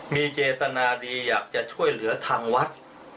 มีเจตนาดีอยากจะช่วยเหลือทางวัด